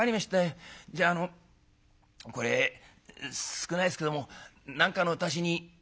じゃああのこれ少ないですけども何かの足しに」。